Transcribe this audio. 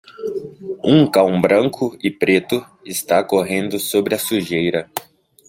Um cão branco e preto está correndo sobre a sujeira.